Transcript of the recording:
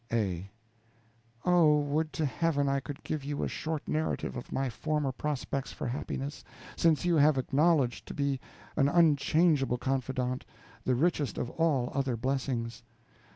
A. Oh, would to Heaven I could give you a short narrative of my former prospects for happiness, since you have acknowledged to be an unchangeable confidant the richest of all other blessings.